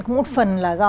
cũng một phần là do